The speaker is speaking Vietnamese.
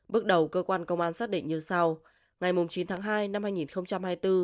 bước đầu cơ quan công an xác định như sau ngày chín tháng hai năm hai nghìn hai mươi bốn